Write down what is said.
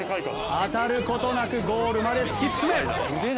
当たる事なくゴールまで突き進め！